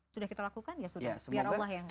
sudah kita lakukan ya sudah biar allah yang